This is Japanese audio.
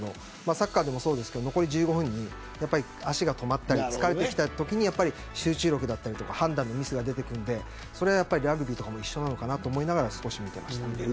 サッカーでもそうですけど残り１５分で足が止まったり疲れてきたときに集中力だったり、判断のミスが出てくるのでラグビーとかも一緒なのかなと思いながら見ていました。